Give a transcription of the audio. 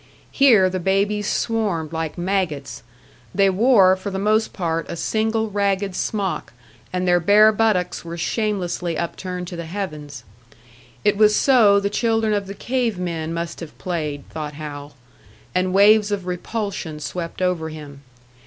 Here the babies swarmed like maggots. They wore for the most part a single ragged smock, and their bare buttocks were shamelessly upturned to the heavens. It was so the children of the cave men must have played, thought Hal; and waves of repulsion swept over him.